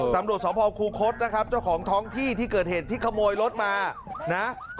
ตำรวจสภคูคศนะครับเจ้าของท้องที่ที่เกิดเหตุที่ขโมยรถมานะ